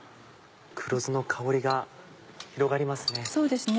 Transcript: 黒酢の香りが広がりますね。